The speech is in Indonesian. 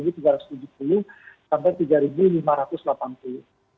cut loss di bawah tiga ribu target kita tiga ratus tujuh puluh sampai tiga ribu lima ratus delapan puluh